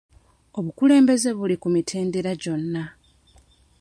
Obukulembeze buli ku mitendera gyonna.